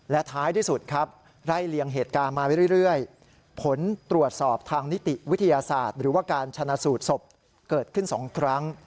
และท้ายที่สุดครับไล่เลียงเหตุการณ์มาไว้เรื่อยผลตรวจสอบทางนิติวิทยาศาสตร์หรือว่าการชนะสูตรศพเกิดขึ้น๒ครั้ง